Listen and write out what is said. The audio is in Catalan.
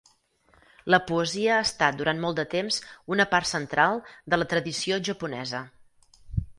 La poesia ha estat durant molt de temps una part central de la tradició japonesa.